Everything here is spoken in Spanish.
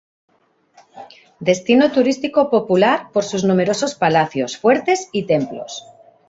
Destino turístico popular por sus numerosos palacios, fuertes y templos.